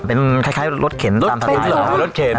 เป็นคล้ายรสเข็นตามทางนะครับ